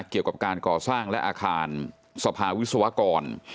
เกี่ยวกับการก่อสร้างและอาคารสภาวิศวกร